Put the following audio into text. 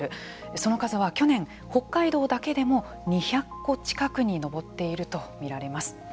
その数は去年北海道だけでも２００戸近くに上っていると見られます。